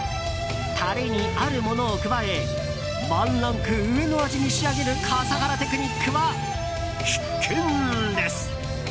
タレに、あるものを加えワンランク上の味に仕上げる笠原テクニックは必見です。